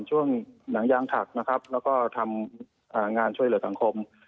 ช่วงหนังยางหักนะครับแล้วก็ทำงานช่วยเหลือสังคม